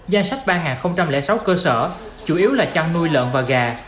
danh sách ba sáu cơ sở chủ yếu là chăn nuôi lợn và gà